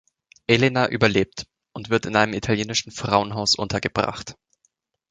Elena überlebt und wird in einem italienischen Frauenhaus untergebracht.